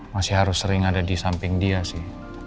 masih harus sering ada disamping dia sih